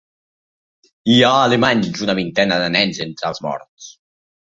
Hi ha almenys una vintena de nens entre els morts.